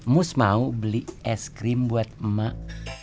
mus mau beli es krim buat emak